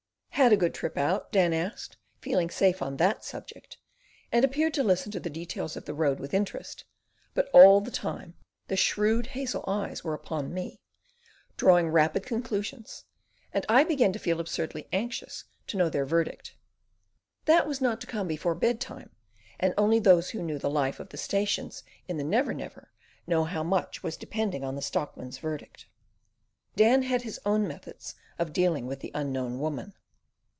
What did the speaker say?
"Had a good trip out?" Dan asked, feeling safe on that subject, and appeared to listen to the details of the road with interest; but all the time the shrewd hazel eyes were upon me, drawing rapid conclusions, and I began to feel absurdly anxious to know their verdict. That was not to come before bedtime; and only those who knew the life of the stations in the Never Never know how much was depending on the stockmen's verdict. Dan had his own methods of dealing with the Unknown Woman.